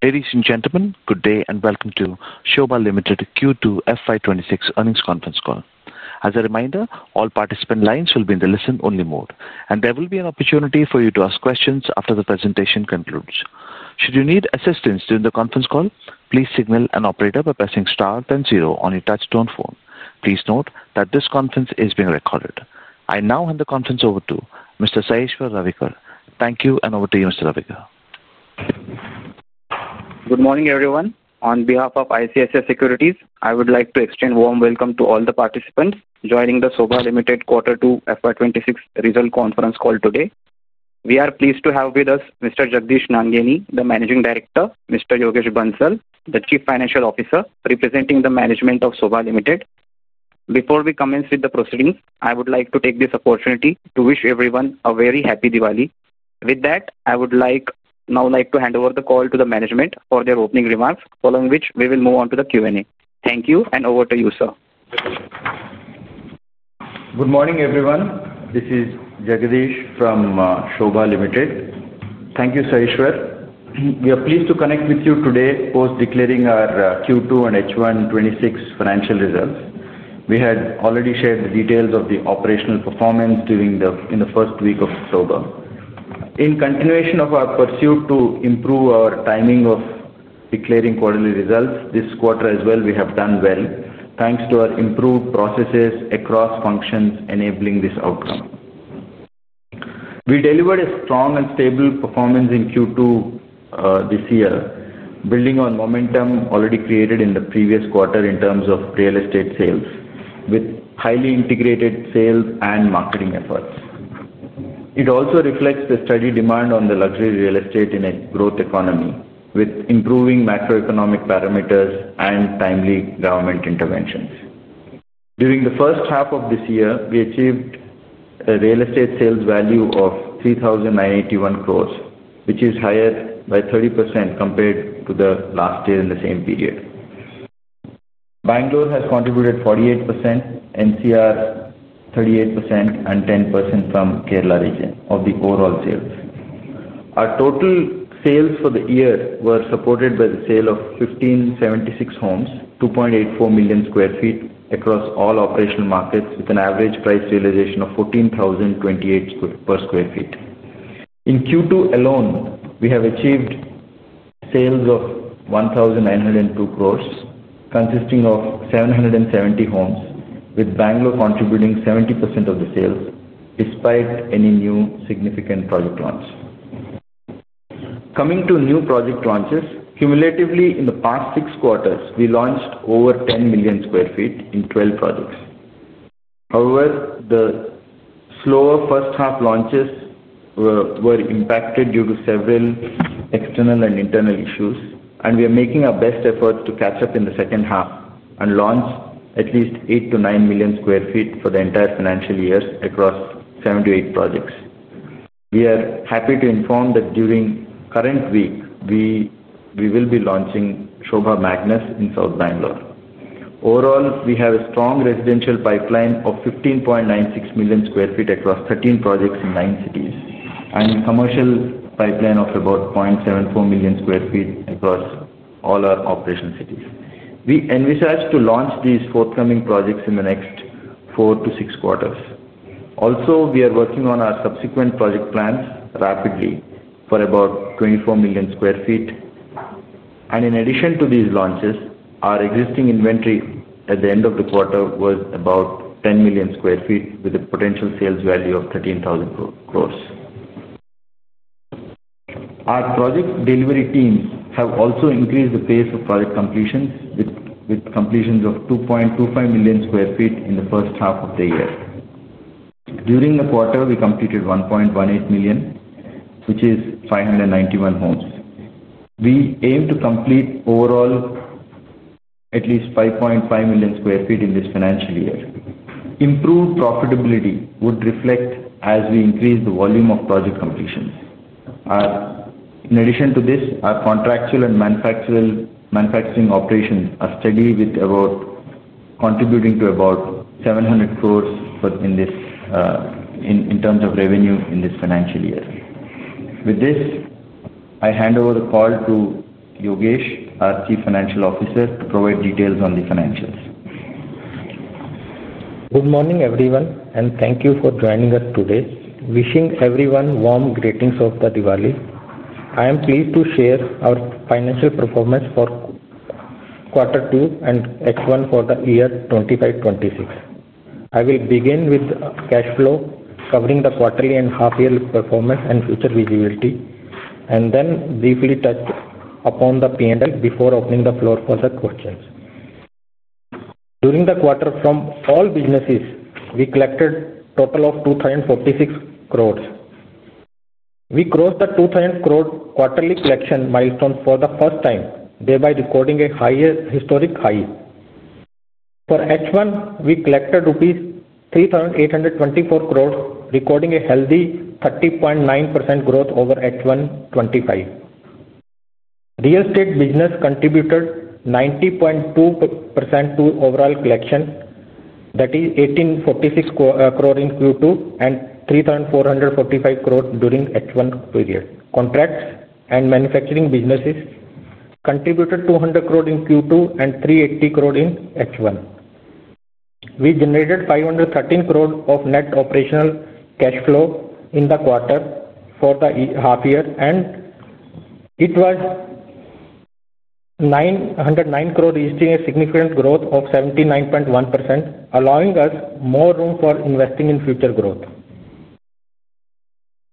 Ladies and gentlemen, good day and welcome to Sobha Limited Q2 FY 2026 earnings conference call. As a reminder, all participant lines will be in the listen-only mode, and there will be an opportunity for you to ask questions after the presentation concludes. Should you need assistance during the conference call, please signal an operator by pressing star then zero on your touch-tone phone. Please note that this conference is being recorded. I now hand the conference over to Mr. Saheshwar Ravikar. Thank you, and over to you, Mr. Ravikar. Good morning, everyone. On behalf of ICICI Securities, I would like to extend a warm welcome to all the participants joining the Sobha Limited Q2 FY 2026 Result Conference call today. We are pleased to have with us Mr. Jagadish Nangineni, the Managing Director, and Mr. Yogesh Bansal, the Chief Financial Officer, representing the management of Sobha Limited. Before we commence with the proceedings, I would like to take this opportunity to wish everyone a very happy Diwali. With that, I would now like to hand over the call to the management for their opening remarks, following which we will move on to the Q&A. Thank you, and over to you, sir. Good morning, everyone. This is Jagadish from Sobha Limited. Thank you, Saheshwar. We are pleased to connect with you today post-declaring our Q2 and FY 2026 financial results. We had already shared the details of the operational performance during the first week of Sobha. In continuation of our pursuit to improve our timing of declaring quarterly results, this quarter as well, we have done well, thanks to our improved processes across functions enabling this outcome. We delivered a strong and stable performance in Q2 this year, building on momentum already created in the previous quarter in terms of real estate sales, with highly integrated sales and marketing efforts. It also reflects the steady demand on the luxury real estate in a growth economy, with improving macroeconomic parameters and timely government interventions. During the first half of this year, we achieved a real estate sales value of 3,981 crore, which is higher by 30% compared to last year in the same period. Bangalore has contributed 48%, NCR 38%, and 10% from Kerala region of the overall sales. Our total sales for the year were supported by the sale of 1,576 homes, 2.84 million sq ft across all operational markets, with an average price realization of 14,028 per sq ft. In Q2 alone, we have achieved sales of 1,902 crore, consisting of 770 homes, with Bangalore contributing 70% of the sales, despite any new significant project launch. Coming to new project launches, cumulatively in the past six quarters, we launched over 10 million sq ft in 12 projects. However, the slower first half launches were impacted due to several external and internal issues, and we are making our best efforts to catch up in the second half and launch at least 8 million-9 million sq ft for the entire financial year across 7-8 projects. We are happy to inform that during the current week, we will be launching Sobha Magnus in South Bangalore. Overall, we have a strong residential pipeline of 15.96 million sq ft across 13 projects in nine cities, and a commercial pipeline of about 0.74 million sq ft across all our operation cities. We envisage to launch these forthcoming projects in the next four to six quarters. Also, we are working on our subsequent project plans rapidly for about 24 million sq ft. In addition to these launches, our existing inventory at the end of the quarter was about 10 million sq ft, with a potential sales value of 13,000 crore. Our project delivery teams have also increased the pace of project completions, with completions of 2.25 million sq ft in the first half of the year. During the quarter, we completed 1.18 million, which is 591 homes. We aim to complete overall at least 5.5 million sq ft in this financial year. Improved profitability would reflect as we increase the volume of project completions. In addition to this, our contract manufacturing operations are steady, contributing to about 700 crore in terms of revenue in this financial year. With this, I hand over the call to Yogesh, our Chief Financial Officer, to provide details on the financials. Good morning, everyone, and thank you for joining us today. Wishing everyone warm greetings of the Diwali. I am pleased to share our financial performance for Q2 and H1 for the year 2026. I will begin with the cash flow, covering the quarterly and half-year performance and future visibility, and then briefly touch upon the P&L before opening the floor for the questions. During the quarter, from all businesses, we collected a total of 2,046 crore. We crossed the 2,000 crore quarterly collection milestone for the first time, thereby recording a higher historic high. For H1, we collected 3,824 crore rupees, recording a healthy 30.9% growth over H1 2025. Real estate business contributed 90.2% to overall collection, that is 1,846 crore in Q2 and 3,445 crore during H1 period. Contracts and manufacturing businesses contributed 200 crore in Q2 and 380 crore in H1. We generated 513 crore of net operational cash flow in the quarter for the half year, and it was 909 crore reaching a significant growth of 79.1%, allowing us more room for investing in future growth.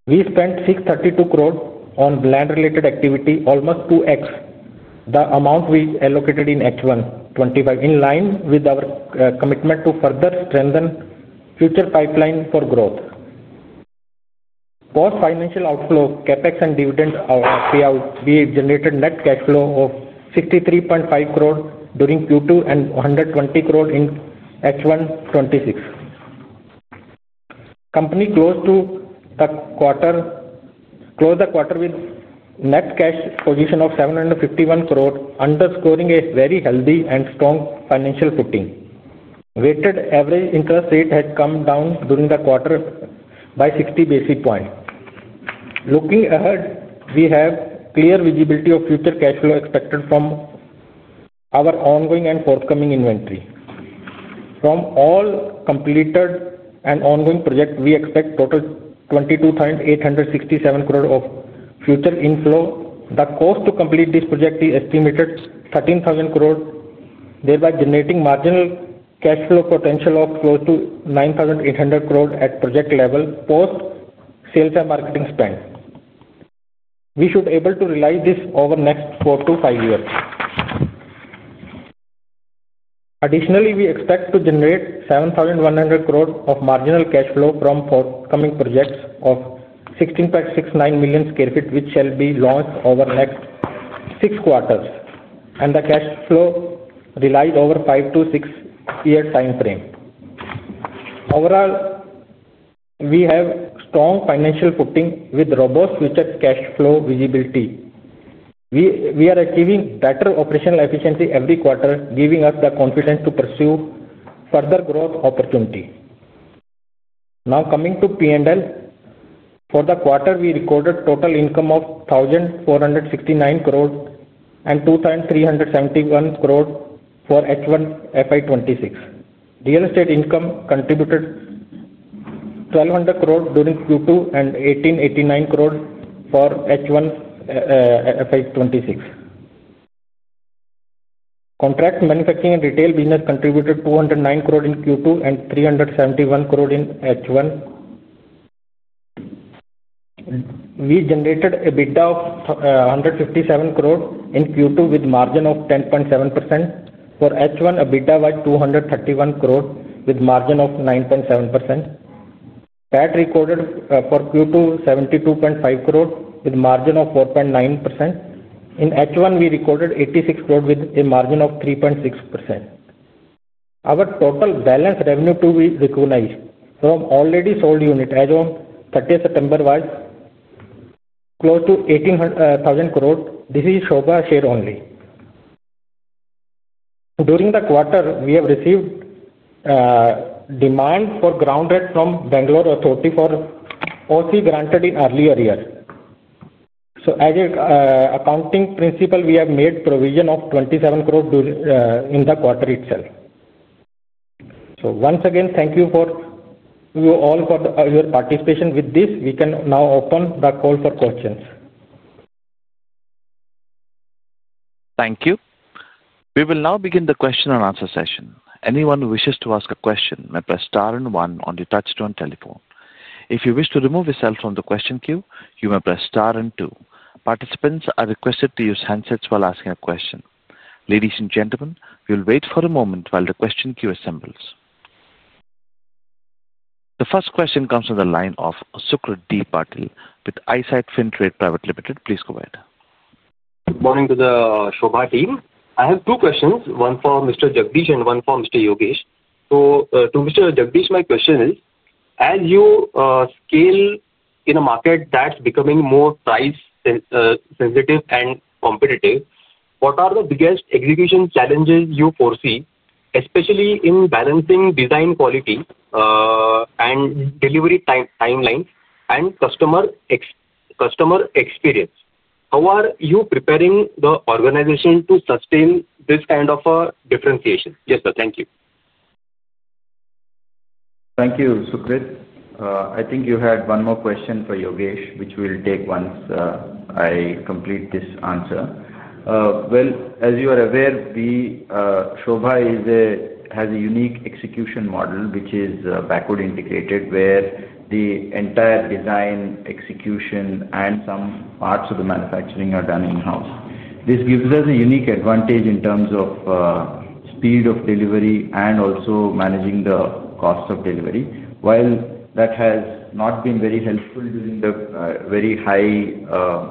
We spent 632 crore on land-related activity, almost 2x the amount we allocated in H1 2025, in line with our commitment to further strengthen future pipeline for growth. Post-financial outflow, CapEx and dividend payout, we generated net cash flow of 63.5 crore during Q2 and 120 crore in H1 2026. Company closed the quarter with net cash position of 751 crore, underscoring a very healthy and strong financial footing. Weighted average interest rate had come down during the quarter by 60 basis points. Looking ahead, we have clear visibility of future cash flow expected from our ongoing and forthcoming inventory. From all completed and ongoing projects, we expect a total of 22,867 crore of future inflow. The cost to complete this project is estimated at 13,000 crore, thereby generating marginal cash flow potential of close to 9,800 crore at project level post sales and marketing spend. We should be able to realize this over the next 4-5 years. Additionally, we expect to generate 7,100 crore of marginal cash flow from forthcoming projects of 16.69 million sq ft, which shall be launched over the next six quarters, and the cash flow relies over a five to six-year time frame. Overall, we have a strong financial footing with robust future cash flow visibility. We are achieving better operational efficiency every quarter, giving us the confidence to pursue further growth opportunities. Now coming to P&L for the quarter, we recorded a total income of 1,469 crore and 2,371 crore for H1 FY 2026. Real estate income contributed 1,200 crore during Q2 and 1,889 crore for H1 FY 2026. Contract manufacturing and retail business contributed 209 crore in Q2 and 371 crore in H1. We generated EBITDA of 157 crore in Q2 with a margin of 10.7%. For H1, EBITDA was 231 crore with a margin of 9.7%. PAT recorded for Q2 was 72.5 crore with a margin of 4.9%. In H1, we recorded 86 crore with a margin of 3.6%. Our total balance revenue to be recognized from already sold units as of 30 September was close to 18,000 crore. This is Sobha share only. During the quarter, we have received demand for ground rent from Bangalore Authority for OC granted in earlier years. As an accounting principle, we have made a provision of 27 crore in the quarter itself. Thank you all for your participation. With this, we can now open the call for questions. Thank you. We will now begin the question-and-answer session. Anyone who wishes to ask a question may press star and one on your touch-tone telephone. If you wish to remove yourself from the question queue, you may press star and two. Participants are requested to use handsets while asking a question. Ladies and gentlemen, we will wait for a moment while the question queue assembles. The first question comes from the line of Sucrit Patil with Eyesight Fintrade Private Limited. Please go ahead. Good morning to the Sobha team. I have two questions, one for Mr. Jagadish and one for Mr. Yogesh. To Mr. Jagadish, my question is, as you scale in a market that's becoming more price-sensitive and competitive, what are the biggest execution challenges you foresee, especially in balancing design quality, delivery timelines, and customer experience? How are you preparing the organization to sustain this kind of a differentiation? Yes, sir. Thank you. Thank you, Sukhrati. I think you had one more question for Yogesh, which we'll take once I complete this answer. As you are aware, Sobha has a unique execution model, which is backward-integrated, where the entire design, execution, and some parts of the manufacturing are done in-house. This gives us a unique advantage in terms of speed of delivery and also managing the cost of delivery. While that has not been very helpful during the very high,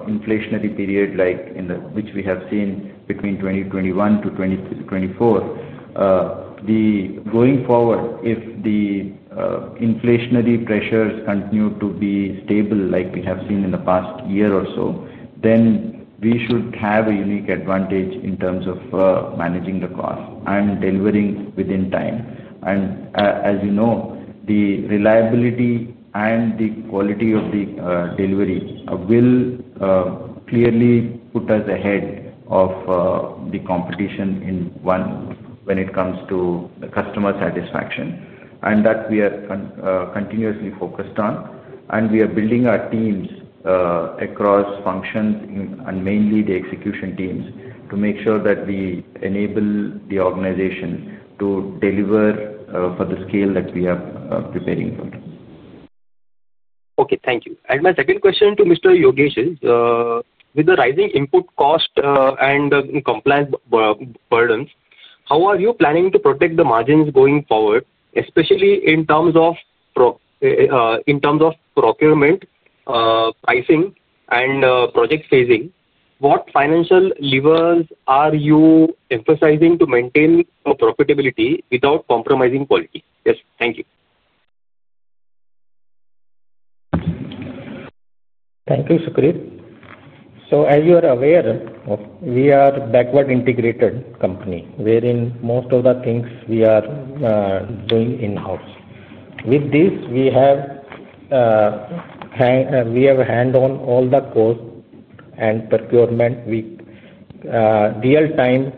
inflationary period, like which we have seen between 2021 to 2024, going forward, if the inflationary pressures continue to be stable, like we have seen in the past year or so, then we should have a unique advantage in terms of managing the cost and delivering within time. As you know, the reliability and the quality of the delivery will clearly put us ahead of the competition when it comes to customer satisfaction, and that we are continuously focused on. We are building our teams across functions, and mainly the execution teams, to make sure that we enable the organization to deliver for the scale that we are preparing for. Okay. Thank you. My second question to Mr. Yogesh is, with the rising input cost and the compliance burden, how are you planning to protect the margins going forward, especially in terms of procurement, pricing, and project phasing? What financial levers are you emphasizing to maintain profitability without compromising quality? Yes, thank you. Thank you, Sucrit. As you are aware of, we are a backward-integrated company, wherein most of the things we are doing in-house. With this, we have a hand on all the costs and procurement. We real-time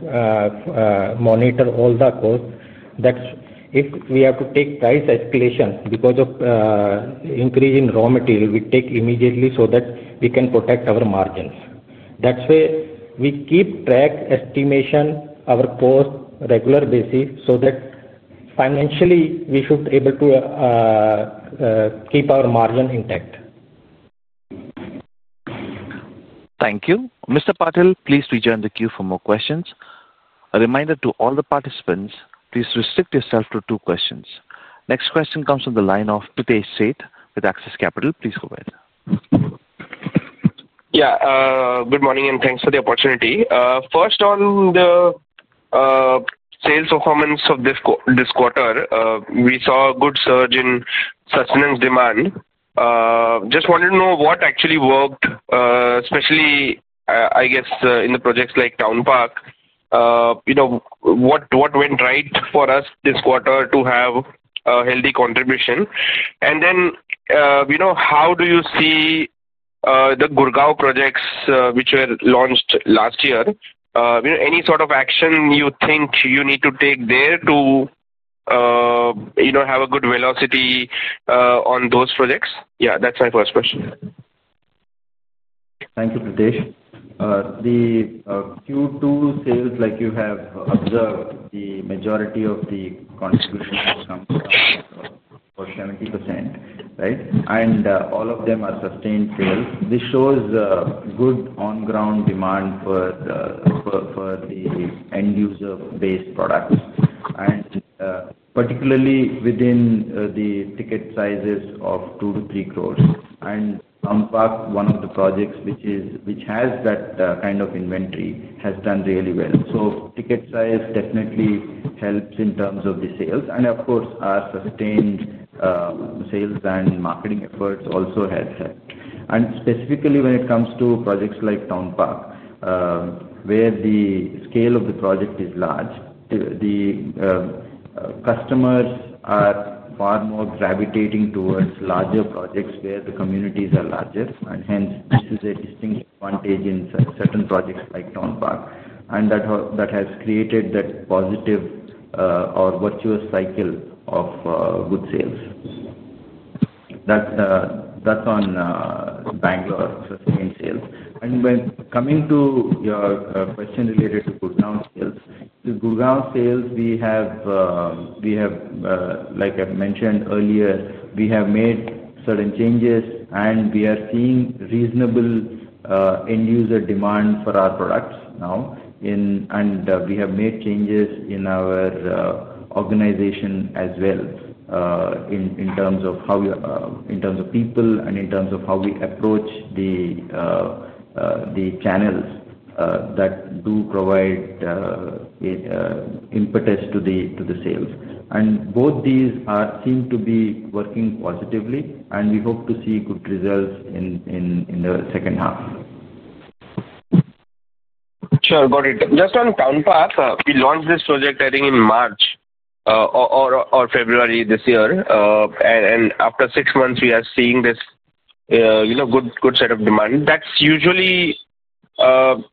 monitor all the costs. If we have to take price escalations because of increase in raw material, we take immediately so that we can protect our margins. That's why we keep track estimation of our costs on a regular basis so that financially we should be able to keep our margin intact. Thank you. Mr. Patil, please rejoin the queue for more questions. A reminder to all the participants, please restrict yourself to two questions. Next question comes from the line of Pritesh Sheth with Axis Capital. Please go ahead. Good morning, and thanks for the opportunity. First, on the sales performance of this quarter, we saw a good surge in sustenance demand. Just wanted to know what actually worked, especially, I guess, in the projects like Town Park. What went right for us this quarter to have a healthy contribution? How do you see the Gurgaon projects, which were launched last year? Any sort of action you think you need to take there to have a good velocity on those projects? That's my first question. Thank you, Pritesh. The Q2 sales, like you have observed, the majority of the contribution has come from Sobha for 70%, right? All of them are sustained sales. This shows a good on-ground demand for the end-user-based products, particularly within the ticket sizes of 2 crore-3 crore. Town Park, one of the projects which has that kind of inventory, has done really well. Ticket size definitely helps in terms of the sales. Of course, our sustained sales and marketing efforts also have helped. Specifically, when it comes to projects like Town Park, where the scale of the project is large, the customers are far more gravitating towards larger projects where the communities are larger. This is a distinct advantage in certain projects like Town Park, and that has created that positive or virtuous cycle of good sales. That's on Bangalore sustained sales. When coming to your question related to Gurgaon sales, the Gurgaon sales, like I mentioned earlier, we have made certain changes, and we are seeing reasonable end-user demand for our products now. We have made changes in our organization as well, in terms of people, and in terms of how we approach the channels that do provide impetus to the sales. Both these seem to be working positively, and we hope to see good results in the second half. Sure. Got it. Just on Town Park, we launched this project, I think, in March or February this year. After 6 months, we are seeing this good set of demand. That's usually kind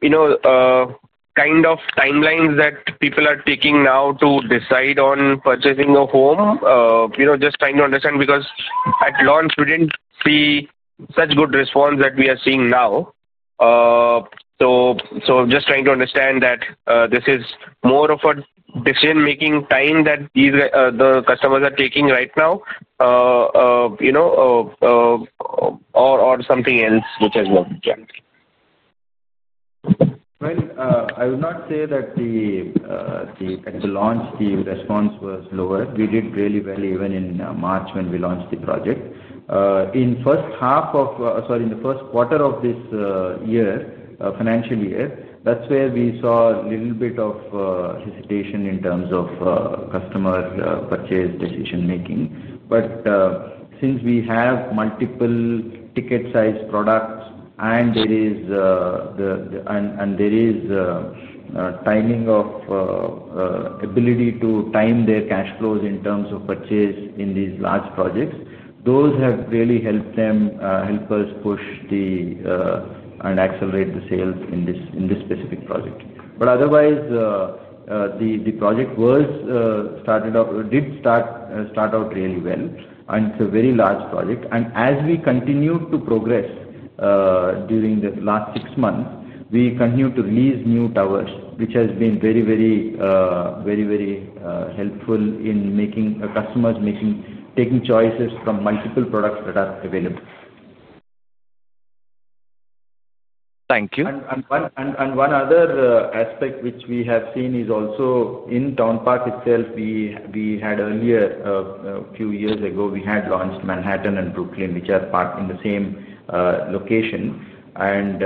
of timelines that people are taking now to decide on purchasing a home. Just trying to understand because at launch, we didn't see such good response that we are seeing now. Just trying to understand that this is more of a decision-making time that the customers are taking right now, or something else, which has not changed. I would not say that at the launch, the response was lower. We did really well even in March when we launched the project. In the first quarter of this financial year, that's where we saw a little bit of hesitation in terms of customer purchase decision-making. Since we have multiple ticket-sized products and there is timing of ability to time their cash flows in terms of purchase in these large projects, those have really helped us push and accelerate the sales in this specific project. Otherwise, the project did start out really well, and it's a very large project. As we continue to progress during the last 6 months, we continue to release new towers, which has been very, very helpful in making customers take choices from multiple products that are available. Thank you. One other aspect which we have seen is also in Town Park itself. A few years ago, we had launched Manhattan and Brooklyn, which are parked in the same location, and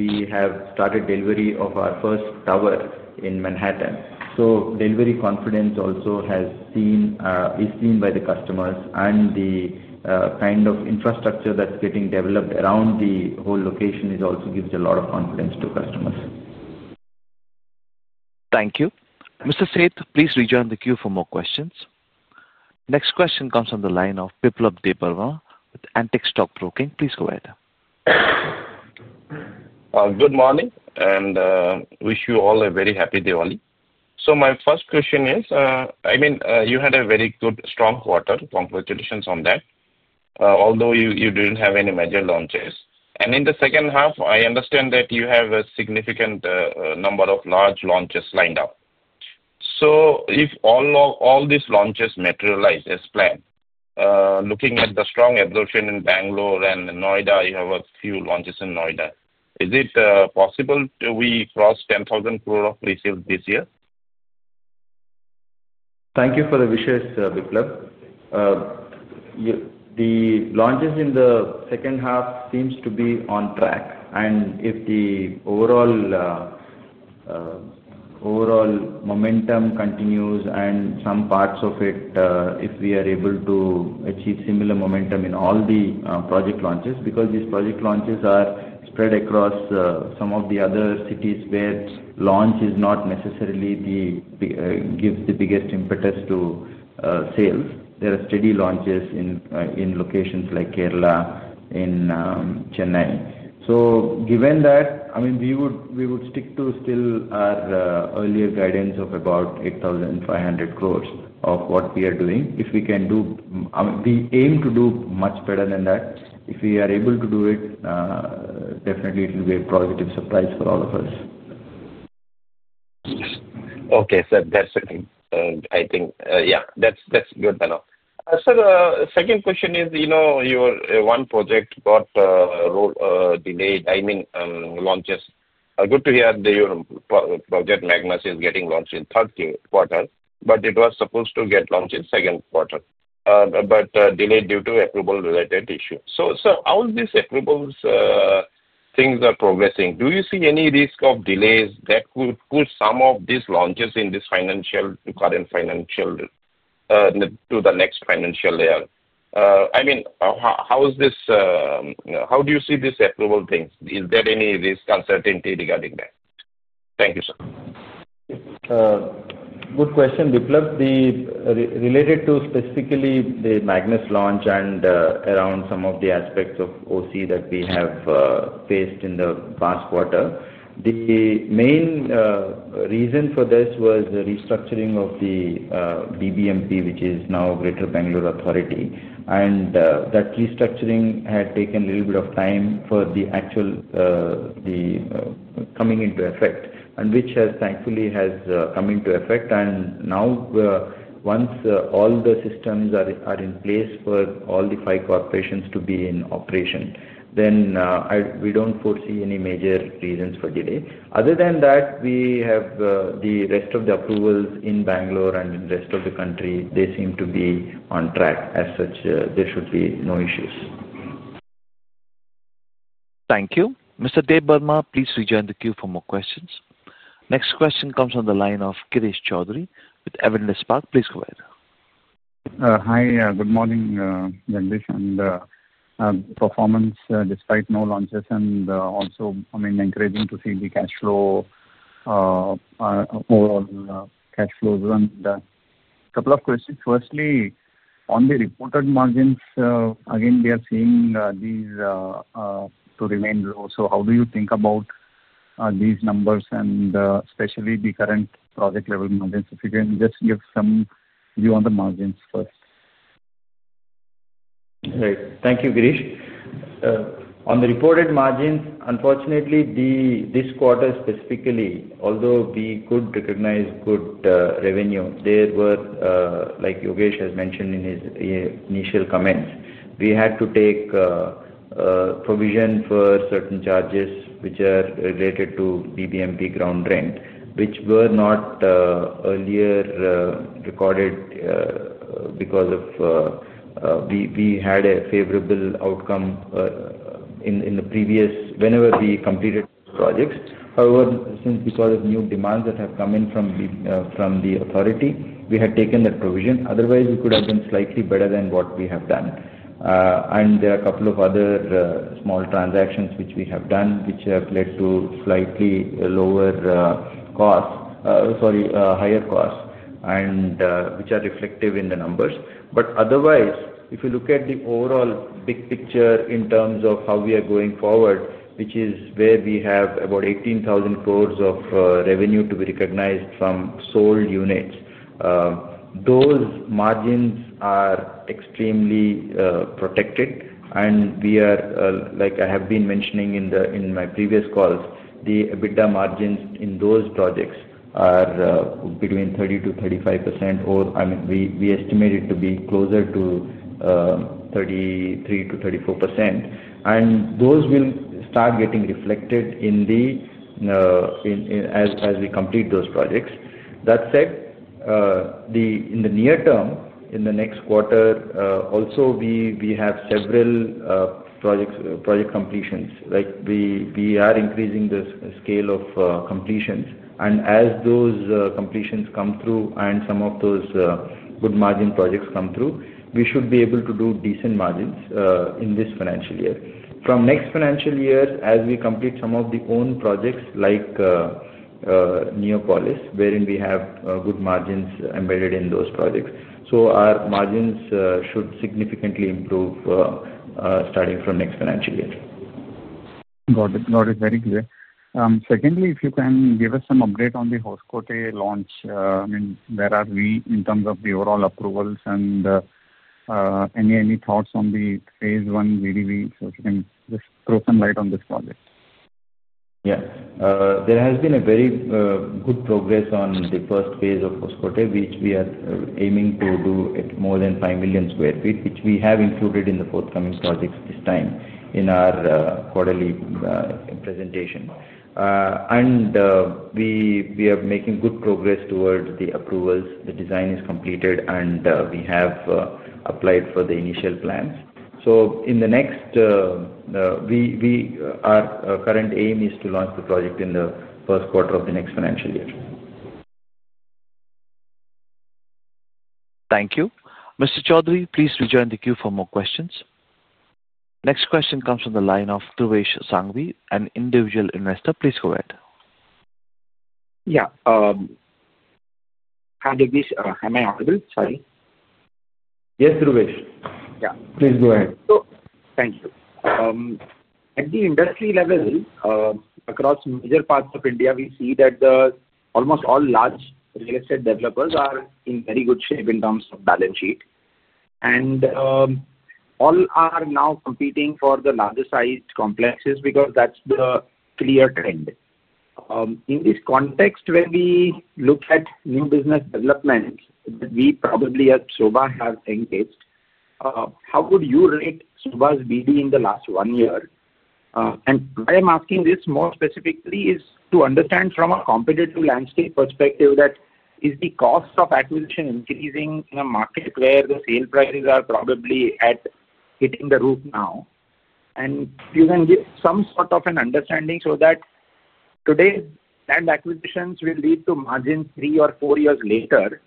we have started delivery of our first tower in Manhattan. Delivery confidence also is seen by the customers, and the kind of infrastructure that's getting developed around the whole location also gives a lot of confidence to customers. Thank you. Mr. Sheth, please rejoin the queue for more questions. Next question comes from the line of Biplab Debarrma with Antique Stock Broking. Please go ahead. Good morning, and wish you all a very happy Diwali. My first question is, you had a very good, strong quarter. Congratulations on that, although you didn't have any major launches. In the second half, I understand that you have a significant number of large launches lined up. If all these launches materialize as planned, looking at the strong absorption in Bangalore and Noida, you have a few launches in Noida. Is it possible we cross 10,000 crore of pre-sales this year? Thank you for the wishes, Biplab. The launches in the second half seem to be on track. If the overall momentum continues and if we are able to achieve similar momentum in all the project launches, because these project launches are spread across some of the other cities where launch is not necessarily the biggest impetus to sales, there are steady launches in locations like Kerala and in Chennai. Given that, we would stick to our earlier guidance of about 8,500 crore of what we are doing. If we can do, we aim to do much better than that. If we are able to do it, definitely, it will be a positive surprise for all of us. Okay, sir. That's okay. I think, yeah, that's good enough. Sir, the second question is, you know, your one project got delayed. I mean, launches. Good to hear that your project, Sobha Magnus, is getting launched in the third quarter, but it was supposed to get launched in the second quarter, but delayed due to approval-related issues. Sir, how are these approval things progressing? Do you see any risk of delays that could push some of these launches in this financial to current financial to the next financial year? I mean, how is this, how do you see this approval thing? Is there any risk uncertainty regarding that? Thank you, sir. Good question, Biplab. Related to specifically the Sobha Magnus launch and around some of the aspects of OC that we have faced in the past quarter, the main reason for this was the restructuring of the BBMP, which is now Greater Bangalore Authority. That restructuring had taken a little bit of time for the actual coming into effect, which has, thankfully, come into effect. Now, once all the systems are in place for all the five corporations to be in operation, we don't foresee any major reasons for delay. Other than that, we have the rest of the approvals in Bangalore and in the rest of the country. They seem to be on track. As such, there should be no issues. Thank you. Mr. Deeparva, please rejoin the queue for more questions. Next question comes from the line of [Krish Chaudhary with Edelweiss] Please go ahead. Hi. Good morning, Jagadish. The performance despite no launches is encouraging to see, and also, I mean, encouraging to see the cash flow, overall cash flow run. A couple of questions. Firstly, on the reported margins, again, we are seeing these to remain low. How do you think about these numbers and especially the current project level margins? If you can just give some view on the margins first. Great. Thank you, Krish. On the reported margins, unfortunately, this quarter specifically, although we could recognize good revenue, there were, like Yogesh has mentioned in his initial comments, we had to take provision for certain charges which are related to BBMP ground rent, which were not earlier recorded because we had a favorable outcome in the previous whenever we completed projects. However, since because of new demands that have come in from the authority, we had taken that provision. Otherwise, we could have been slightly better than what we have done. There are a couple of other small transactions which we have done, which have led to slightly higher costs, and which are reflective in the numbers. Otherwise, if you look at the overall big picture in terms of how we are going forward, which is where we have about 18,000 crore of revenue to be recognized from sold units, those margins are extremely protected. We are, like I have been mentioning in my previous calls, the EBITDA margins in those projects are between 30%-35%, or I mean, we estimate it to be closer to 33%-34%. Those will start getting reflected as we complete those projects. That said, in the near term, in the next quarter, also, we have several project completions. We are increasing the scale of completions. As those completions come through and some of those good margin projects come through, we should be able to do decent margins in this financial year. From next financial year, as we complete some of the own projects like Neopolis, wherein we have good margins embedded in those projects, our margins should significantly improve starting from next financial year. Got it. Got it. Very clear. Secondly, if you can give us some update on the Sobha Magnus launch, I mean, where are we in terms of the overall approvals and any thoughts on the phase one? If you can just throw some light on this project. Yeah. There has been very good progress on the first phase of [skyvue] which we are aiming to do at more than 5 million sq ft, which we have included in the forthcoming projects this time in our quarterly presentation. We are making good progress towards the approvals. The design is completed, and we have applied for the initial plans. Our current aim is to launch the project in the first quarter of the next financial year. Thank you. Mr. Chaudhary, please rejoin the queue for more questions. Next question comes from the line of Dhruvesh Sanghvi, an individual investor. Please go ahead. Yeah. Hi, Dhruvesh. Am I audible? Yes, Dhruvesh. Yeah. Please go ahead. Thank you. At the industry level, across major parts of India, we see that almost all large real estate developers are in very good shape in terms of balance sheet. All are now competing for the larger-sized complexes because that's the clear trend. In this context, when we look at new business development that we probably at Sobha have encased, how would you rate Sobha's BD in the last 1 year? Why I'm asking this more specifically is to understand from a competitive landscape perspective that is the cost of acquisition increasing in a market where the sale prices are probably at hitting the roof now? You can give some sort of an understanding so that today's land acquisitions will lead to margins three or 4 years later.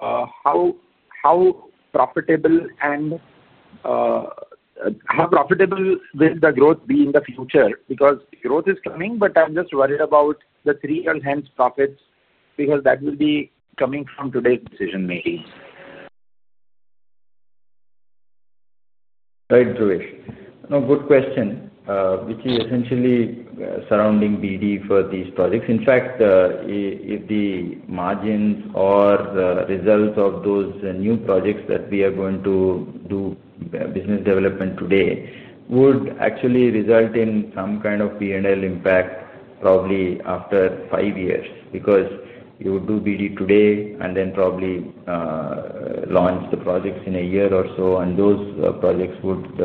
How profitable and how will the growth be in the future? Growth is coming, but I'm just worried about the three-year-hands profits because that will be coming from today's decision-making. Right, Dhruvesh. Good question, which is essentially surrounding BD for these projects. In fact, if the margins or the results of those new projects that we are going to do business development today would actually result in some kind of P&L impact probably after five years because you would do BD today and then probably launch the projects in a year or so, and those projects would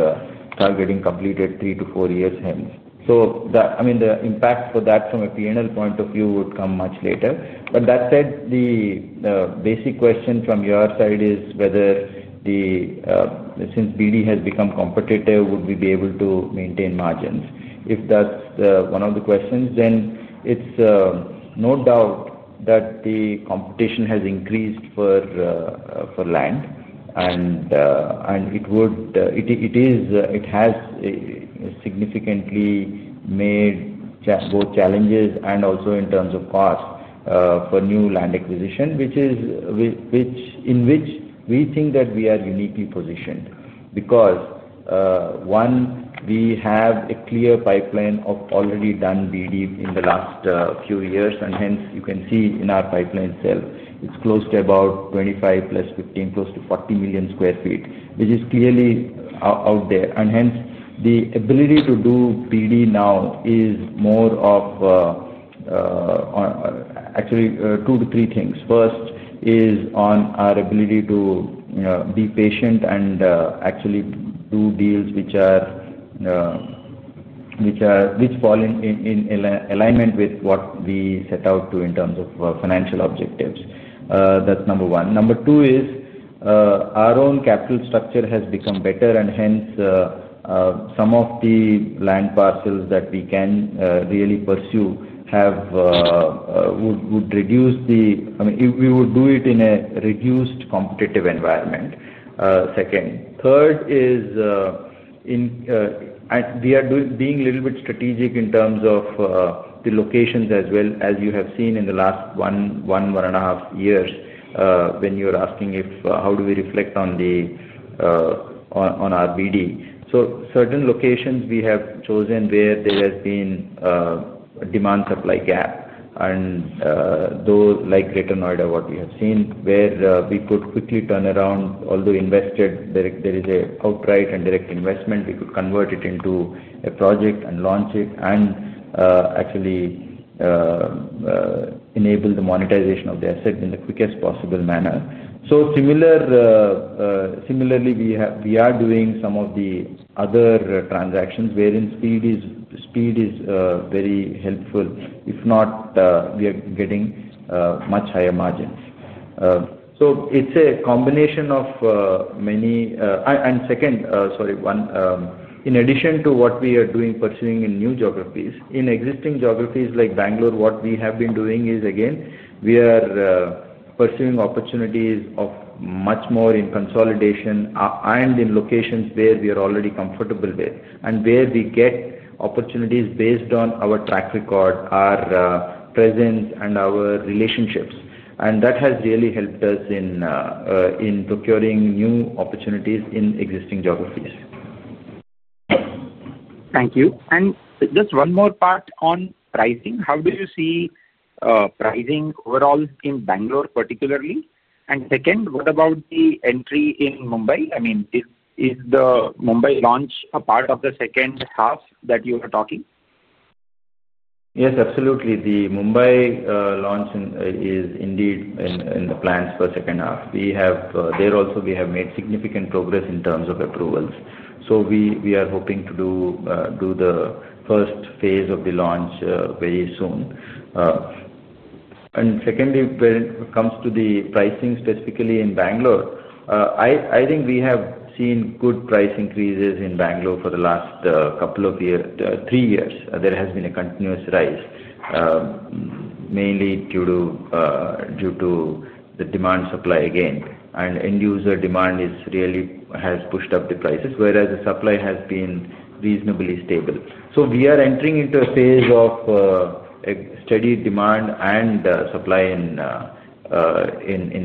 start getting completed three to 4 years hence. I mean, the impact for that from a P&L point of view would come much later. That said, the basic question from your side is whether since BD has become competitive, would we be able to maintain margins? If that's one of the questions, then it's no doubt that the competition has increased for land, and it has significantly made both challenges and also in terms of cost for new land acquisition, which is in which we think that we are uniquely positioned because, one, we have a clear pipeline of already done BD in the last few years. In our pipeline itself, it's close to about 25+15, close to 40 million sq ft, which is clearly out there. The ability to do BD now is more of actually two to three things. First is on our ability to be patient and actually do deals which fall in alignment with what we set out to in terms of financial objectives. That's number one. Number two is our own capital structure has become better, and hence, some of the land parcels that we can really pursue would reduce the, I mean, we would do it in a reduced competitive environment. Third is we are being a little bit strategic in terms of the locations as well, as you have seen in the last one, 1.5 years when you're asking how do we reflect on our BD. Certain locations we have chosen where there has been a demand-supply gap. Those like Greater Noida, what we have seen, where we could quickly turn around, although invested, there is an outright and direct investment. We could convert it into a project and launch it and actually enable the monetization of the asset in the quickest possible manner. Similarly, we are doing some of the other transactions wherein speed is very helpful. If not, we are getting much higher margins. It's a combination of many. In addition to what we are pursuing in new geographies, in existing geographies like Bangalore, what we have been doing is, again, we are pursuing opportunities of much more in consolidation and in locations where we are already comfortable with and where we get opportunities based on our track record, our presence, and our relationships. That has really helped us in procuring new opportunities in existing geographies. Thank you. Just one more part on pricing. How do you see pricing overall in Bangalore particularly? What about the entry in Mumbai? Is the Mumbai launch a part of the second half that you were talking? Yes, absolutely. The Mumbai launch is indeed in the plans for the second half. There also, we have made significant progress in terms of approvals. We are hoping to do the first phase of the launch very soon. Secondly, when it comes to the pricing specifically in Bangalore, I think we have seen good price increases in Bangalore for the last couple of years, 3 years. There has been a continuous rise, mainly due to the demand supply again. End-user demand has really pushed up the prices, whereas the supply has been reasonably stable. We are entering into a phase of steady demand and supply in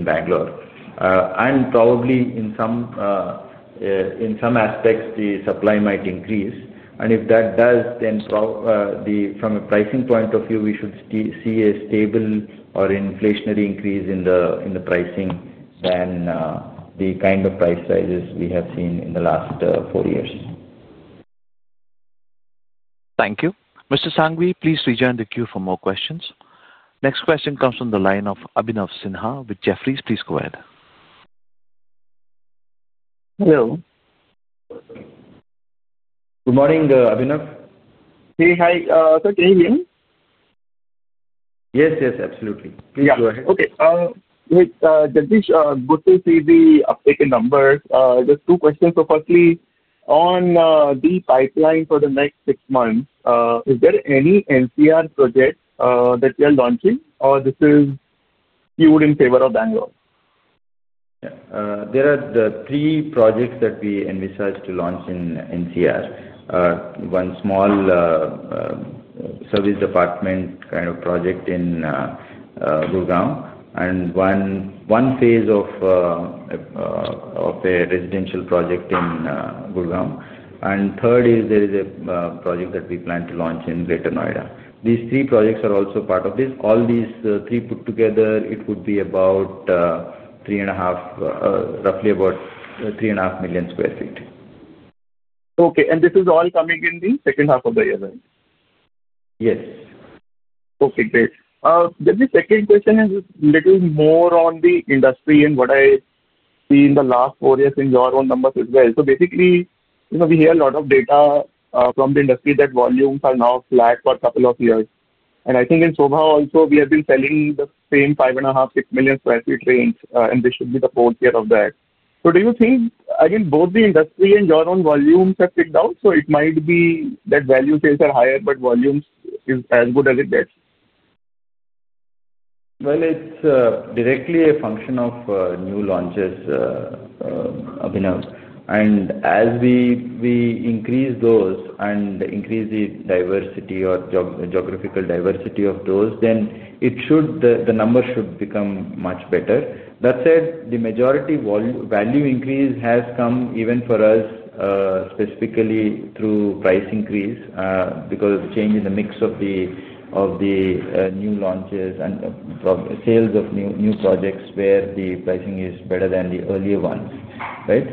Bangalore. Probably in some aspects, the supply might increase. If that does, then from a pricing point of view, we should see a stable or inflationary increase in the pricing than the kind of price rises we have seen in the last 4 years. Thank you. Mr. Sanghvi, please rejoin the queue for more questions. Next question comes from the line of Abhinav Sinha with Jefferies. Please go ahead. Hello. Good morning, Abhinav. Hi. Sir, can you hear me? Yes, absolutely. Please go ahead. Okay. Wait, Jagadish, good to see the uptake in numbers. Just two questions. Firstly, on the pipeline for the next 6 months, is there any NCR project that you are launching, or is this skewed in favor of Bangalore? There are three projects that we envisage to launch in NCR. One small service apartment kind of project in Gurgaon and one phase of a residential project in Gurgaon. The third is there is a project that we plan to launch in Greater Noida. These three projects are also part of this. All these three put together, it would be about three and a half, roughly about 3.5 million sq ft. Okay. This is all coming in the second half of the year, right? Yes. Okay, great. The second question is just a little more on the industry and what I see in the last 4 years in your own numbers as well. Basically, you know we hear a lot of data from the industry that volumes are now flat for a couple of years. I think in Sobha also, we have been selling the same 5.5 million, 6 million sq ft range, and this should be the fourth year of that. Do you think, I mean, both the industry and your own volumes have peaked out? It might be that value sales are higher, but volumes are as good as it gets. It's directly a function of new launches, Abhinav. As we increase those and increase the diversity or geographical diversity of those, the numbers should become much better. That said, the majority value increase has come even for us specifically through price increase because of the change in the mix of the new launches and sales of new projects where the pricing is better than the earlier ones, right?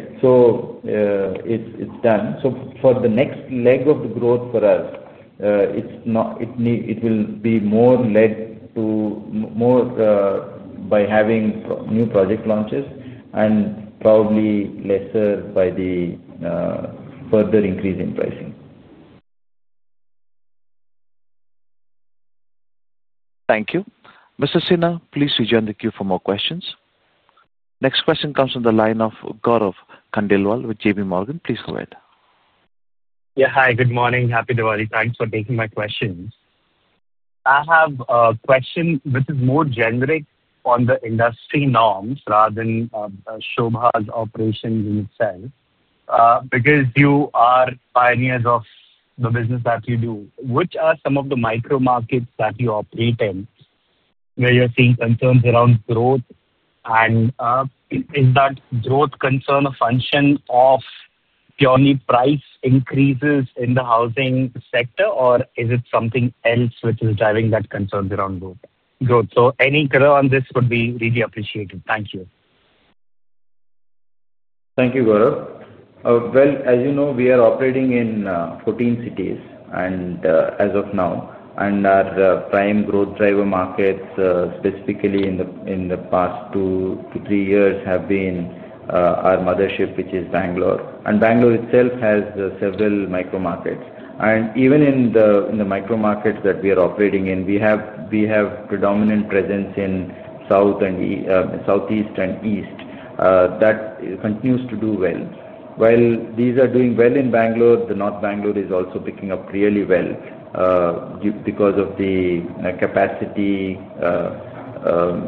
It's done. For the next leg of the growth for us, it will be more led more by having new project launches and probably lesser by the further increase in pricing. Thank you. Mr. Sinha, please rejoin the queue for more questions. Next question comes from the line of Gaurav Khandelwal with JPMorgan. Please go ahead. Yeah. Hi. Good morning. Happy Diwali. Thanks for taking my questions. I have a question which is more generic on the industry norms rather than Sobha's operations in itself because you are pioneers of the business that you do. Which are some of the micro markets that you operate in where you're seeing concerns around growth? Is that growth concern a function of purely price increases in the housing sector, or is it something else which is driving that concerns around growth? Any curve on this would be really appreciated. Thank you. Thank you, Gaurav. As you know, we are operating in 14 cities as of now. Our prime growth driver markets, specifically in the past 2-3 years, have been our mothership, which is Bangalore. Bangalore itself has several micro markets. Even in the micro markets that we are operating in, we have predominant presence in South and Southeast and East that continues to do well. While these are doing well in Bangalore, North Bangalore is also picking up really well because of the capacity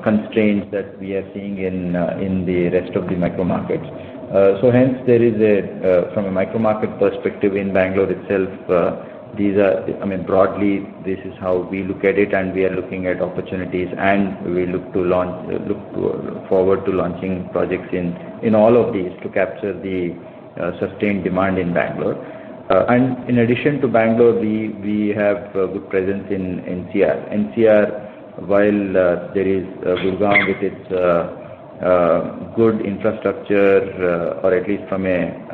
constraints that we are seeing in the rest of the micro markets. Hence, from a micro market perspective in Bangalore itself, broadly, this is how we look at it, and we are looking at opportunities. We look forward to launching projects in all of these to capture the sustained demand in Bangalore. In addition to Bangalore, we have a good presence in NCR. NCR, while there is Gurgaon with its good infrastructure, or at least from an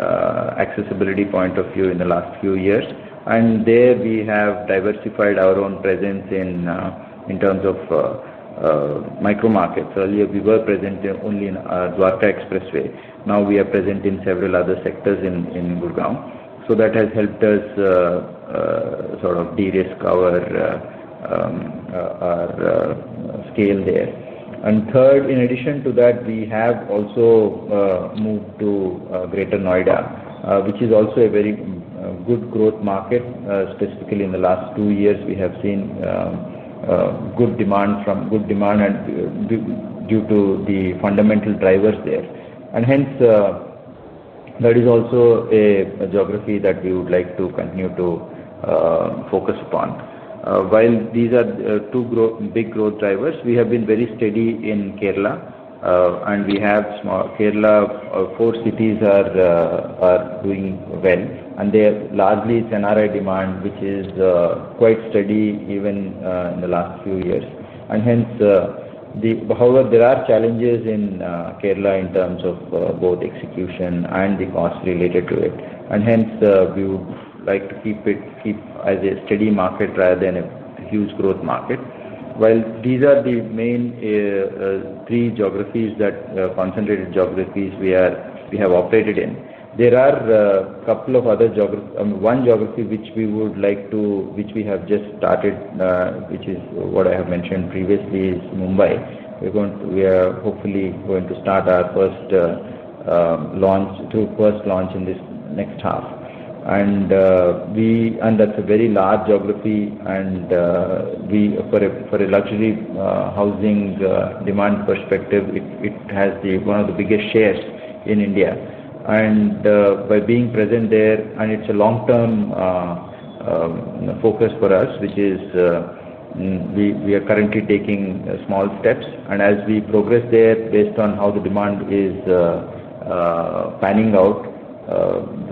accessibility point of view in the last few years, and there we have diversified our own presence in terms of micro markets. Earlier, we were present only in Dwarka Expressway. Now we are present in several other sectors in Gurgaon. That has helped us sort of de-risk our scale there. In addition to that, we have also moved to Greater Noida, which is also a very good growth market. Specifically, in the last 2 years, we have seen good demand due to the fundamental drivers there. Hence, that is also a geography that we would like to continue to focus upon. While these are two big growth drivers, we have been very steady in Kerala. We have small Kerala, four cities are doing well. They are largely NRI demand, which is quite steady even in the last few years. However, there are challenges in Kerala in terms of both execution and the costs related to it. Hence, we would like to keep it as a steady market rather than a huge growth market. While these are the main three concentrated geographies we have operated in, there are a couple of other geographies. One geography which we would like to, which we have just started, which is what I have mentioned previously, is Mumbai. We are hopefully going to start our first launch in this next half. That is a very large geography. From a luxury housing demand perspective, it has one of the biggest shares in India. By being present there, it's a long-term focus for us, which is we are currently taking small steps. As we progress there, based on how the demand is panning out,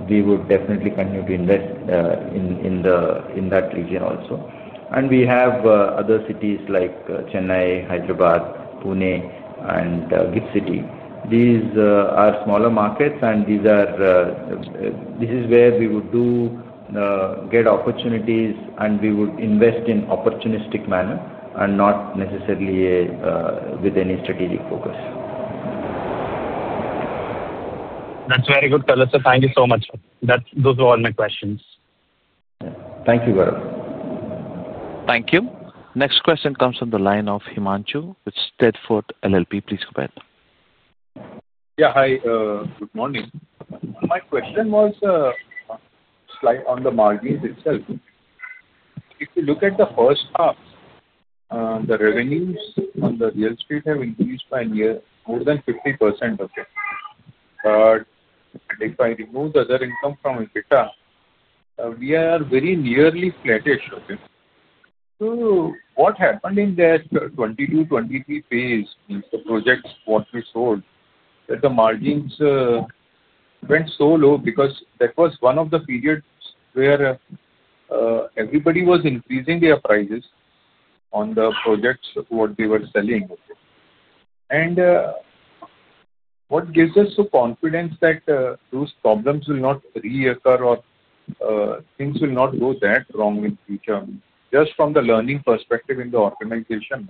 we would definitely continue to invest in that region also. We have other cities like Chennai, Hyderabad, Pune, and GIFT City. These are smaller markets, and this is where we would get opportunities, and we would invest in an opportunistic manner and not necessarily with any strategic focus. That's very good. Thank you so much. Those were all my questions. Thank you, Gaurav. Thank you. Next question comes from the line of Himanshu with Steadford LLP. Please go ahead. Yeah. Hi. Good morning. My question was on the margins itself. If you look at the first half, the revenues on the real estate have increased by near more than 50%. If I remove the other income from EBITDA, we are very nearly flattish. What happened in the 2022, 2023 phase, the projects what we sold, that the margins went so low because that was one of the periods where everybody was increasing their prices on the projects what they were selling. What gives us the confidence that those problems will not reoccur or things will not go that wrong in the future? Just from the learning perspective in the organization,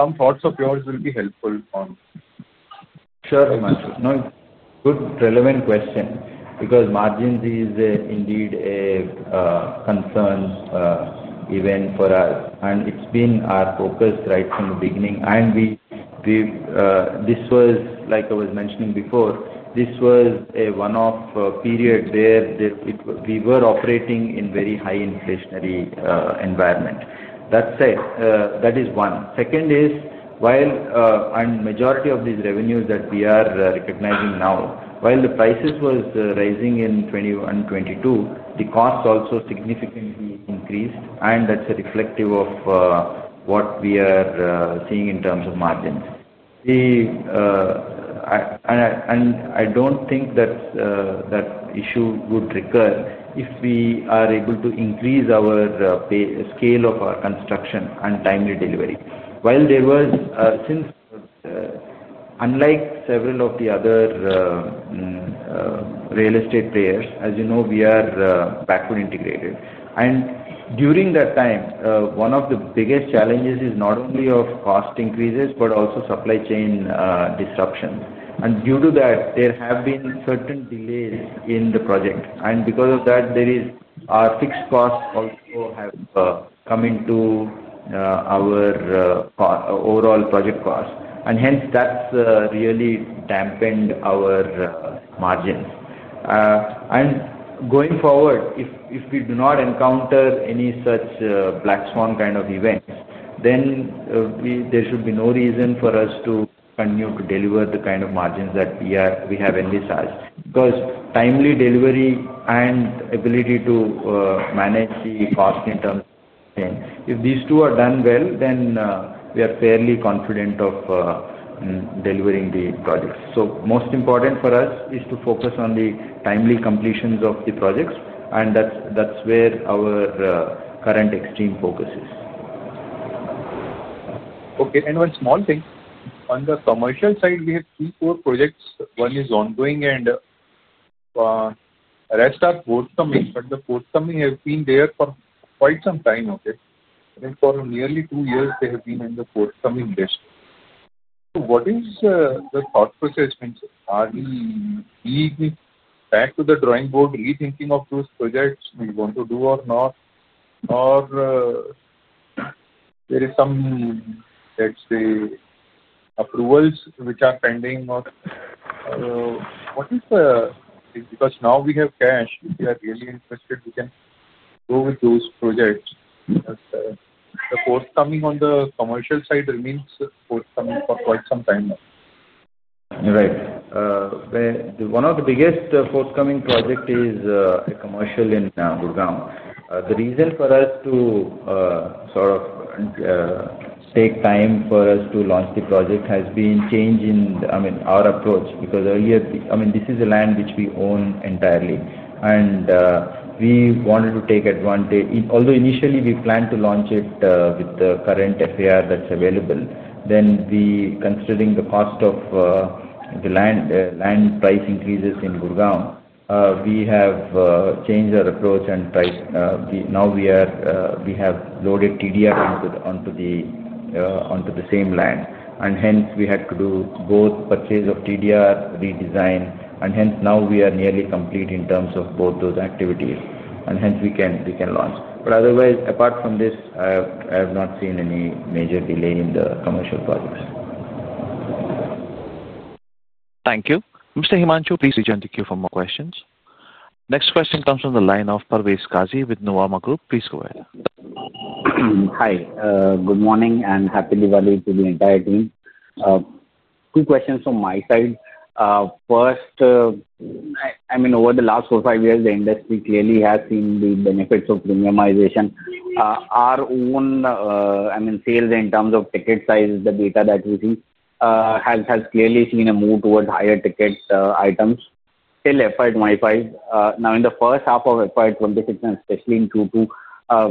some thoughts of yours will be helpful on. Sure. No, good relevant question because margins is indeed a concern even for us. It's been our focus right from the beginning. This was, like I was mentioning before, a one-off period where we were operating in a very high inflationary environment. That said, that is one. Second is, while a majority of these revenues that we are recognizing now, while the prices were rising in 2021 and 2022, the costs also significantly increased. That's a reflection of what we are seeing in terms of margins. I don't think that issue would recur if we are able to increase our scale of our construction and timely delivery. Unlike several of the other real estate players, as you know, we are backward integrated. During that time, one of the biggest challenges is not only cost increases but also supply chain disruptions. Due to that, there have been certain delays in the project. Because of that, our fixed costs also have come into our overall project costs. Hence, that's really dampened our margins. Going forward, if we do not encounter any such black swan kind of events, there should be no reason for us to continue to deliver the kind of margins that we have envisaged because timely delivery and ability to manage the cost in terms of change. If these two are done well, we are fairly confident of delivering the projects. Most important for us is to focus on the timely completions of the projects. That's where our current extreme focus is. Okay. One small thing. On the commercial side, we have three, four projects. One is ongoing, and the rest are forthcoming. The forthcoming have been there for quite some time. For nearly 2 years, they have been in the forthcoming list. What is the thought process? Are we going back to the drawing board, rethinking those projects we want to do or not? There is some, let's say, approvals which are pending? What is the reason? Now we have cash. If we are really interested, we can go with those projects. The forthcoming on the commercial side remains forthcoming for quite some time now. Right. One of the biggest forthcoming projects is a commercial in Gurgaon. The reason for us to sort of take time for us to launch the project has been change in, I mean, our approach because earlier, I mean, this is a land which we own entirely. We wanted to take advantage. Although initially, we planned to launch it with the current FAR that's available, then considering the cost of the land, land price increases in Gurgaon, we have changed our approach. Now we have loaded TDR onto the same land, and hence, we had to do both purchase of TDR, redesign. Hence, now we are nearly complete in terms of both those activities, and hence, we can launch. Otherwise, apart from this, I have not seen any major delay in the commercial projects. Thank you. Mr. Himanshu, please rejoin the queue for more questions. Next question comes from the line of Parvez Qazi with Nuvama Group. Please go ahead. Hi. Good morning and happy Diwali to the entire team. Two questions from my side. First, over the last four or five years, the industry clearly has seen the benefits of premiumization. Our own sales in terms of ticket sizes, the data that we see has clearly seen a move towards higher ticket items. Still, FY 2025. Now, in the first half of FY 2026, and especially in Q2,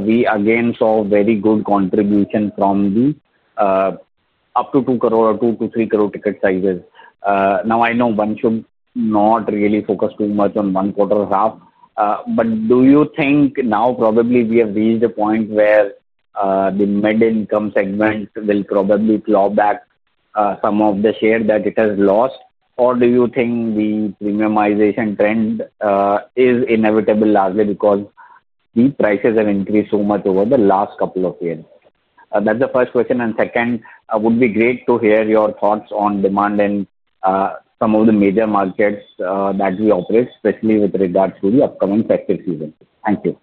we again saw very good contribution from the up to 2 crore or 2 crore-3 crore ticket sizes. I know one should not really focus too much on one quarter or half. Do you think now probably we have reached a point where the mid-income segment will probably claw back some of the share that it has lost? Do you think the premiumization trend is inevitable largely because the prices have increased so much over the last couple of years? That's the first question. Second, it would be great to hear your thoughts on demand and some of the major markets that we operate, especially with regards to the upcoming sector season. Thank you.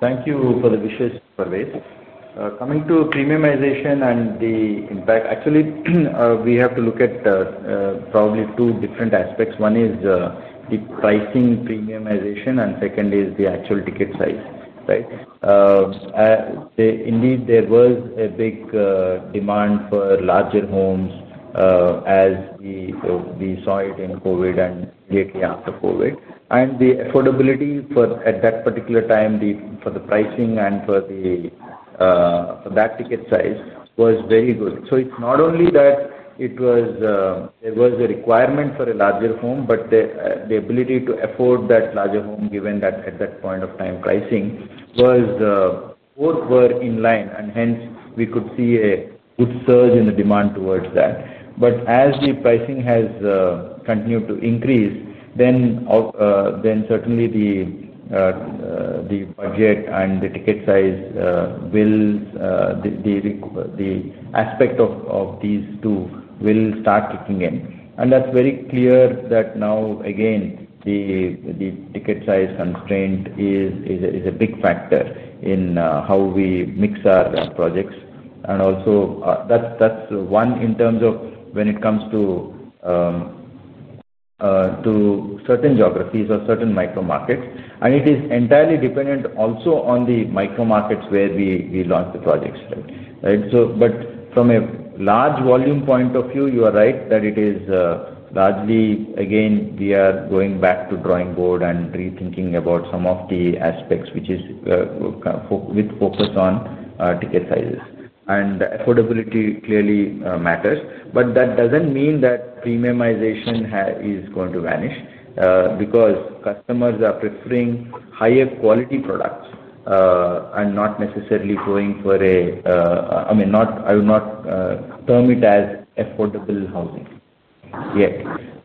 Thank you for the wishes, Parvez. Coming to premiumization and the impact, actually, we have to look at probably two different aspects. One is the pricing premiumization, and second is the actual ticket size, right? Indeed, there was a big demand for larger homes as we saw it in COVID and immediately after COVID. The affordability for at that particular time, for the pricing and for that ticket size was very good. It is not only that there was a requirement for a larger home, but the ability to afford that larger home, given that at that point of time, pricing was both were in line. Hence, we could see a good surge in the demand towards that. As the pricing has continued to increase, certainly the budget and the ticket size, the aspect of these two will start kicking in. That is very clear that now, again, the ticket size constraint is a big factor in how we mix our projects. Also, that is one in terms of when it comes to certain geographies or certain micro markets. It is entirely dependent also on the micro markets where we launch the projects, right? From a large volume point of view, you are right that it is largely, again, we are going back to drawing board and rethinking about some of the aspects which is with focus on ticket sizes. Affordability clearly matters. That does not mean that premiumization is going to vanish because customers are preferring higher quality products and not necessarily going for a, I mean, I would not term it as affordable housing yet.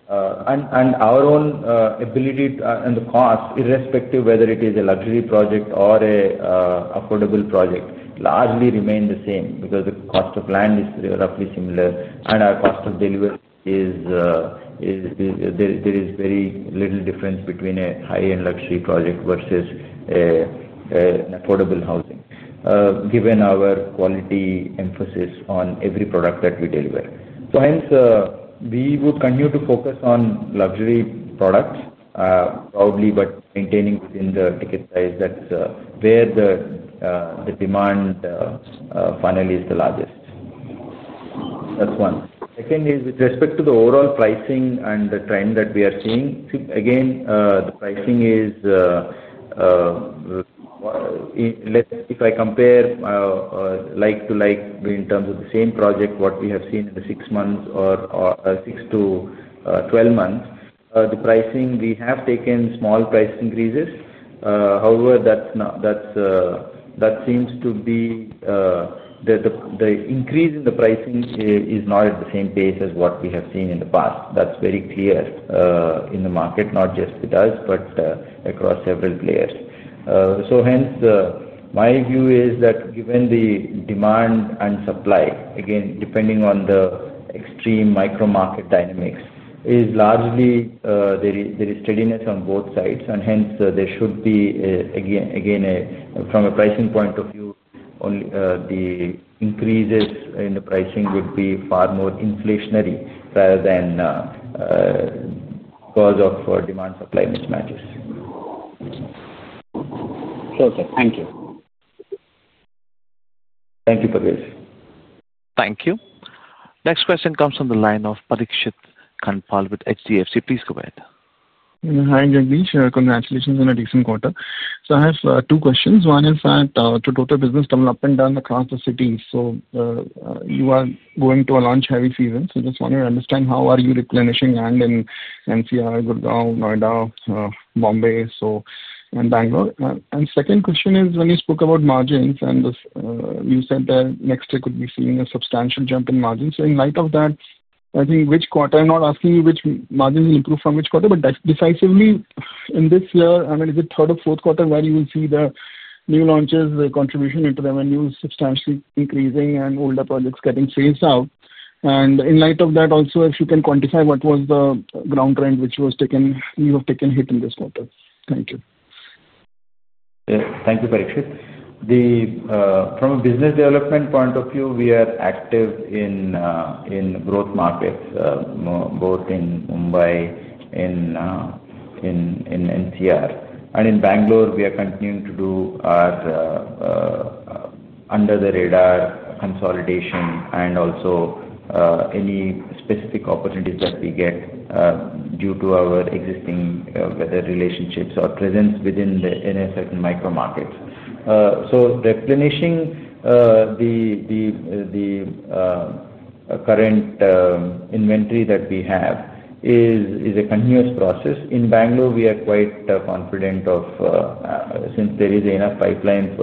Our own ability and the cost, irrespective whether it is a luxury project or an affordable project, largely remains the same because the cost of land is roughly similar. Our cost of delivery is there is very little difference between a high-end luxury project versus an affordable housing, given our quality emphasis on every product that we deliver. Hence, we would continue to focus on luxury products proudly, but maintaining within the ticket size. That is where the demand finally is the largest. That is one. Second is with respect to the overall pricing and the trend that we are seeing. Again, the pricing is, let's say, if I compare like to like in terms of the same project, what we have seen in the 6 months or 6-12 months, the pricing we have taken small price increases. However, that seems to be the increase in the pricing is not at the same pace as what we have seen in the past. That's very clear in the market, not just with us, but across several players. My view is that given the demand and supply, again, depending on the extreme micro market dynamics, largely there is steadiness on both sides. There should be, from a pricing point of view, only the increases in the pricing would be far more inflationary rather than because of demand-supply mismatches. Perfect. Thank you. Thank you, Parvez. Thank you. Next question comes from the line of Parikshit Kandpal with HDFC. Please go ahead. Hi, Jagadish. Congratulations on a decent quarter. I have two questions. One is that to total business development done across the city. You are going into a launch heavy season. I just wanted to understand how are you replenishing land in NCR, Gurgaon, Noida, Mumbai, and Bangalore? The second question is when you spoke about margins, and you said that next year could be seeing a substantial jump in margins. In light of that, I think which quarter, I'm not asking you which margins will improve from which quarter, but decisively in this year, I mean, is it third or fourth quarter where you will see the new launches, the contribution into the venues substantially increasing, and older projects getting phased out? In light of that, also, if you can quantify what was the ground rent which you have taken hit in this quarter. Thank you. Thank you, Parikshit. From a business development point of view, we are active in growth markets, both in Mumbai, in NCR, and in Bangalore. We are continuing to do our under-the-radar consolidation and also any specific opportunities that we get due to our existing relationships or presence within a certain micro market. Replenishing the current inventory that we have is a continuous process. In Bangalore, we are quite confident since there is enough pipeline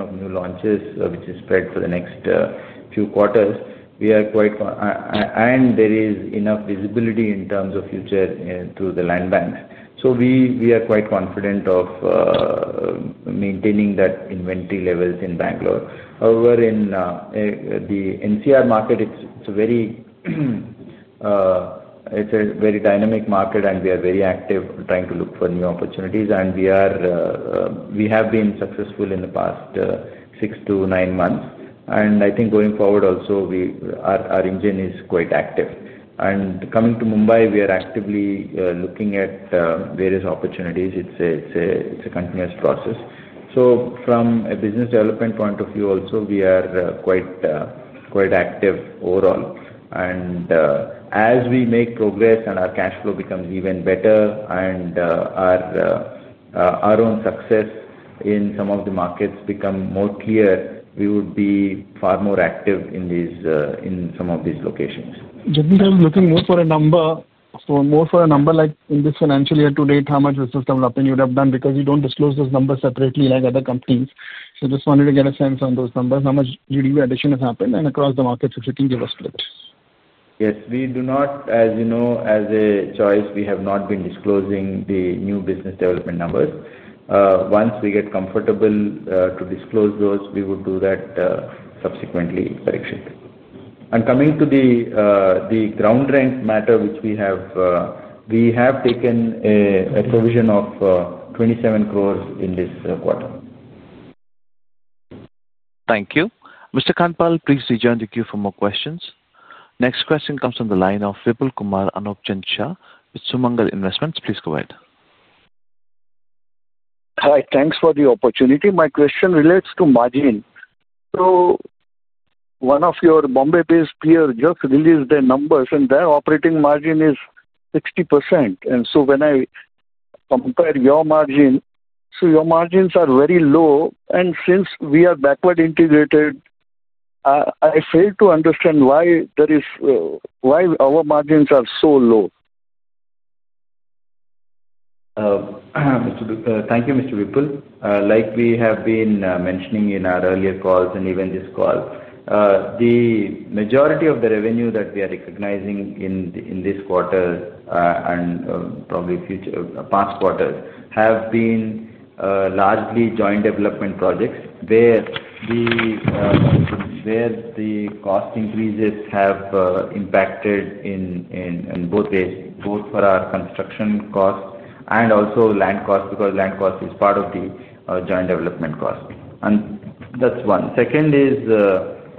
of new launches, which is spread for the next few quarters, and there is enough visibility in terms of future through the land bank. We are quite confident of maintaining that inventory levels in Bangalore. However, in the NCR market, it's a very dynamic market, and we are very active trying to look for new opportunities. We have been successful in the past six to nine months. I think going forward also, our engine is quite active. Coming to Mumbai, we are actively looking at various opportunities. It's a continuous process. From a business development point of view also, we are quite active overall. As we make progress and our cash flow becomes even better and our own success in some of the markets becomes more clear, we would be far more active in some of these locations. Jagadish, I'm looking more for a number. More for a number like in this financial year to date, how much this is developing? You would have done because you don't disclose this number separately like other companies. I just wanted to get a sense on those numbers. How much GDP addition has happened? Across the markets, if you can give us a little bit. Yes. As you know, as a choice, we have not been disclosing the new business development numbers. Once we get comfortable to disclose those, we would do that subsequently, Parikshit. Coming to the ground rent matter, we have taken a provision of 27 crore in this quarter. Thank you. Mr. Kandpal, please rejoin the queue for more questions. Next question comes from the line of Vipulkumar Anopchand Shah with Sumangal Investments. Please go ahead. Hi. Thanks for the opportunity. My question relates to margin. One of your Bombay-based peers just released their numbers, and their operating margin is 60%. When I compare your margin, your margins are very low. Since we are backward integrated, I fail to understand why our margins are so low. Thank you, Mr. Vipul. Like we have been mentioning in our earlier calls and even this call, the majority of the revenue that we are recognizing in this quarter and probably past quarters have been largely joint development projects where the cost increases have impacted in both ways, both for our construction costs and also land costs because land costs is part of the joint development cost. That's one. Second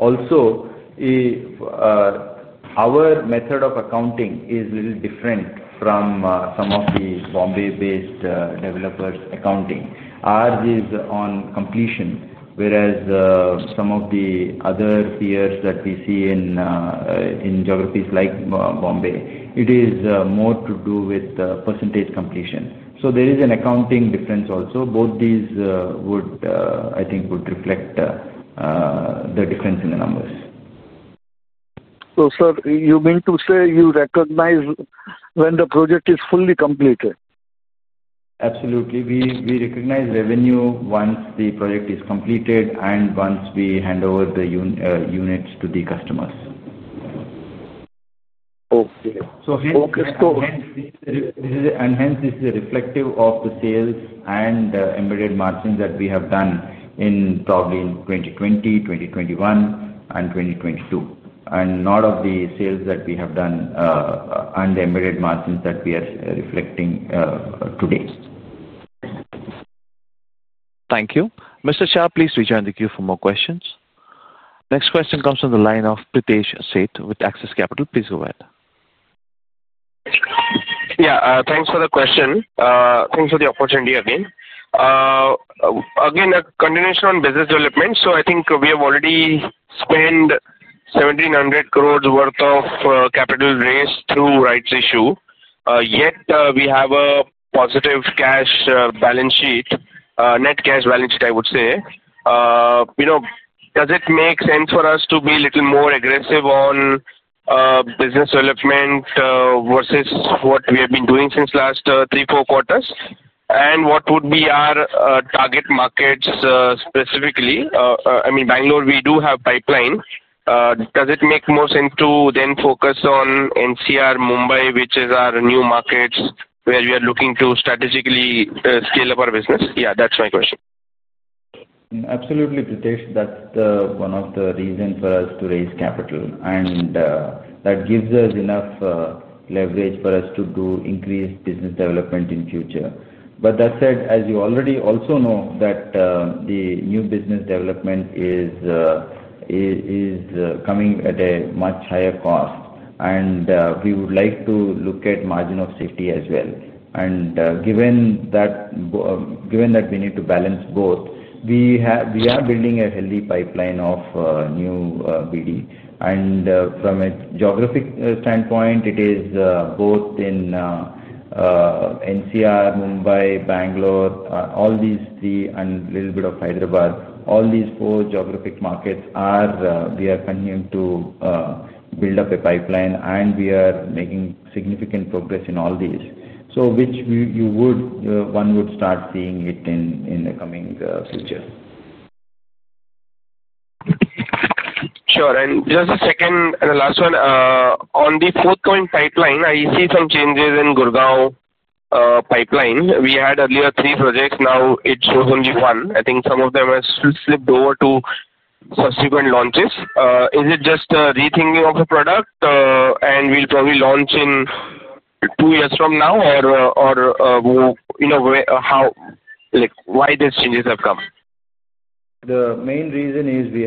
is also our method of accounting is a little different from some of the Bombay-based developers' accounting. Ours is on completion, whereas some of the other peers that we see in geographies like Bombay, it is more to do with percentage completion. There is an accounting difference also. Both these, I think, would reflect the difference in the numbers. You mean to say you recognize when the project is fully completed? Absolutely. We recognize revenue once the project is completed and once we hand over the units to the customers. This is reflective of the sales and embedded margins that we have done in 2020, 2021, and 2022, and not of the sales that we have done and embedded margins that we are reflecting today. Thank you. Mr. Shah, please rejoin the queue for more questions. Next question comes from the line of Pritesh Sheth with Axis Capital. Please go ahead. Yeah. Thanks for the question. Thanks for the opportunity again. A continuation on business development. I think we have already spent 1,700 crore worth of capital raised through rights issue. Yet, we have a positive cash balance sheet, net cash balance sheet, I would say. Does it make sense for us to be a little more aggressive on business development versus what we have been doing since the last three, four quarters? What would be our target markets specifically? I mean, Bangalore, we do have a pipeline. Does it make more sense to then focus on NCR, Mumbai, which is our new markets where we are looking to strategically scale up our business? Yeah, that's my question. Absolutely, Pritesh. That's one of the reasons for us to raise capital. That gives us enough leverage for us to do increased business development in the future. As you already also know, the new business development is coming at a much higher cost. We would like to look at margin of safety as well. Given that we need to balance both, we are building a healthy pipeline of new BD. From a geographic standpoint, it is both in NCR, Mumbai, Bangalore, all these three, and a little bit of Hyderabad. All these four geographic markets are where we are continuing to build up a pipeline, and we are making significant progress in all these, which one would start seeing in the coming future. Sure. Just a second and the last one. On the forthcoming pipeline, I see some changes in the Gurgaon pipeline. We had earlier three projects. Now it shows only one. I think some of them have slipped over to subsequent launches. Is it just a rethinking of the product and we'll probably launch in 2 years from now? In a way, why these changes have come? The main reason is we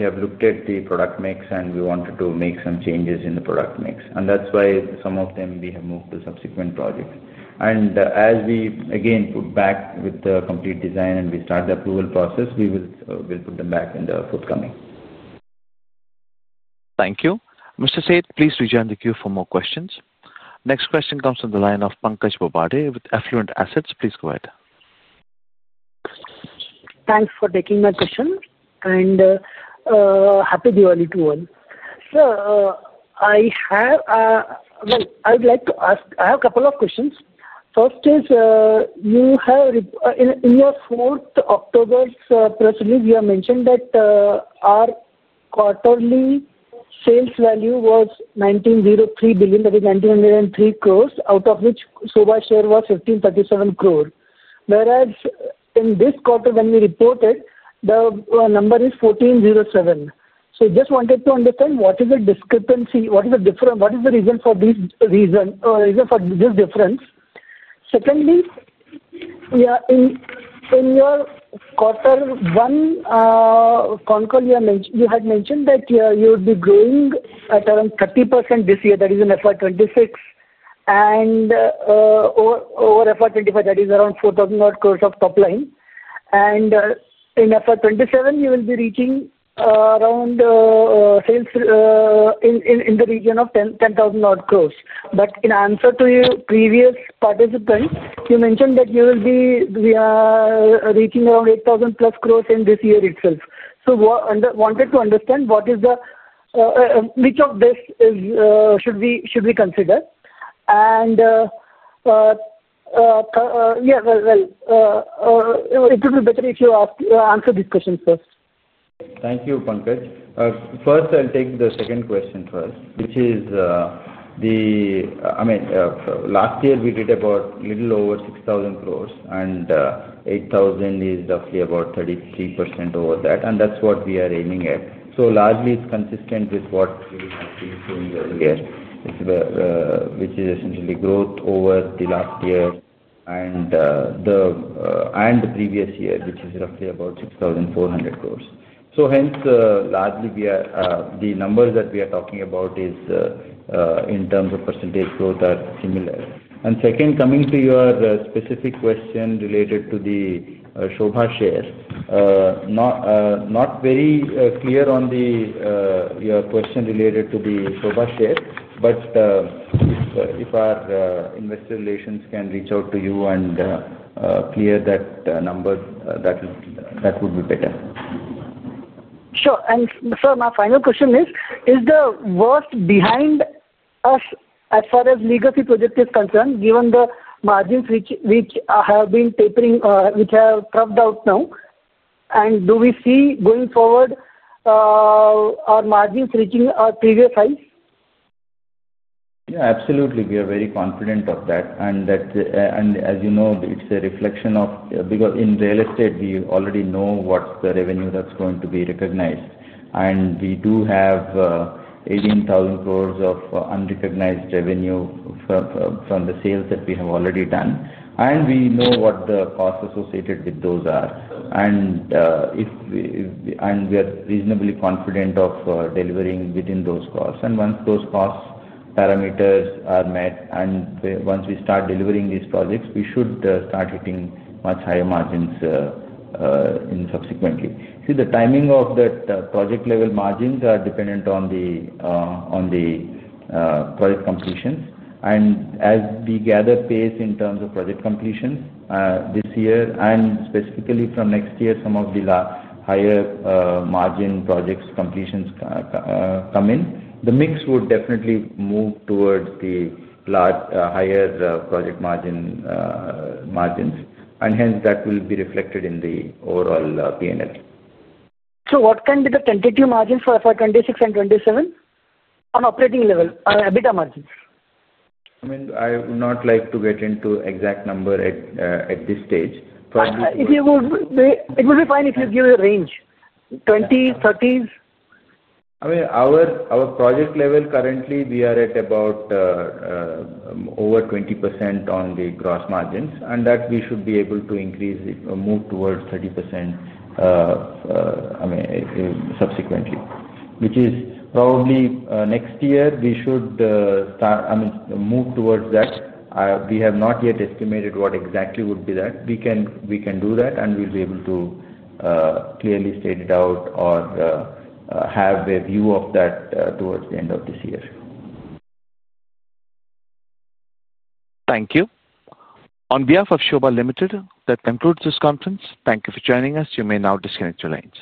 have looked at the product mix, and we wanted to make some changes in the product mix. That's why some of them we have moved to subsequent projects. As we, again, put back with the complete design and we start the approval process, we will put them back in the forthcoming. Thank you. Mr. Sheth, please rejoin the queue for more questions. Next question comes from the line of Pankaj Bhabade with Affluent Assets. Please go ahead. Thanks for taking my question. Happy Diwali to all. Sir, I would like to ask, I have a couple of questions. First is, you have in your 4th October press release, you have mentioned that our quarterly sales value was 1,903 crore, out of which Sobha's share was 1,537 crore. Whereas in this quarter, when we reported, the number is 1,407 crore. I just wanted to understand what is the discrepancy, what is the difference, what is the reason for this difference? Secondly, in your quarter one, you had mentioned that you would be growing at around 30% this year, that is in FY 2026, and over FY 2025, that is around 4,000-odd crore of top line. In FY 2027, you will be reaching around sales in the region of 10,000-odd crore. In answer to your previous participants, you mentioned that you will be reaching around 8,000-plus crore in this year itself. I wanted to understand which of this should we consider. It would be better if you answer these questions first. Thank you, Pankaj. First, I'll take the second question, which is, last year we did a little over INR 6,000 crore, and INR 8,000 crore is roughly about 33% over that. That's what we are aiming at. Largely, it's consistent with what we have been seeing every year, which is essentially growth over the last year and the previous year, which is roughly about 6,400 crore. Hence, the numbers that we are talking about in terms of percentage growth are similar. Coming to your specific question related to the Sobha share, not very clear on your question related to the Sobha share, but if our investor relations can reach out to you and clear that number, that would be better. Sure. My final question is, is the worst behind us as far as legacy project is concerned, given the margins which have been tapering, which have cropped out now? We see going forward, our margins reaching a previous high? Yeah, absolutely. We are very confident of that. It's a reflection of, because in real estate, we already know what the revenue that's going to be recognized. We do have 18,000 crore of unrecognized revenue from the sales that we have already done. We know what the costs associated with those are. We are reasonably confident of delivering within those costs. Once those cost parameters are met, and once we start delivering these projects, we should start hitting much higher margins subsequently. The timing of that, project level margins are dependent on the project completions. As we gather pace in terms of project completions this year, and specifically from next year, some of the higher margin projects completions come in, the mix would definitely move towards the large, higher project margin, margins. Hence, that will be reflected in the overall P&L. What can be the tentative margins for 2026 and 2027 on operating level, EBITDA margins? I would not like to get into exact number at this stage, probably. If you would, it would be fine if you give a range, 20s, 30s? At our project level currently, we are at about over 20% on the gross margins. We should be able to increase it, move towards 30% subsequently, which is probably next year. We should start to move towards that. We have not yet estimated what exactly would be that. We can do that, and we'll be able to clearly state it out or have a view of that towards the end of this year. Thank you. On behalf of Sobha Limited, that concludes this conference. Thank you for joining us. You may now disconnect your lines.